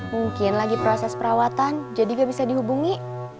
mungkin lagi proses perawatan jadi gak bisa dihubungi